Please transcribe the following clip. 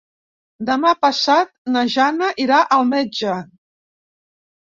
Demà passat na Jana irà al metge.